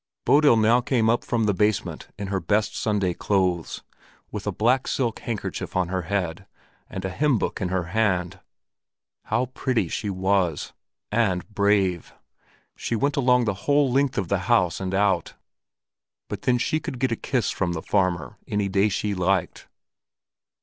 Bodil now came up from the basement in her best Sunday clothes, with a black silk handkerchief on her head and a hymn book in her hand. How pretty she was! And brave! She went along the whole length of the House and out! But then she could get a kiss from the farmer any day she liked.